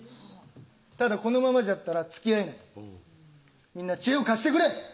「ただこのままだったらつきあえない」「みんな知恵を貸してくれ！」